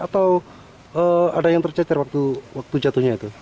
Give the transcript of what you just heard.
atau ada yang tercecer waktu jatuhnya itu